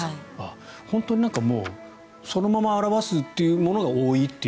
本当にそのまま表すっていうものが多いっていう。